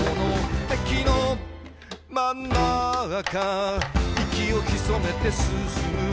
「敵のまん中息をひそめて進む」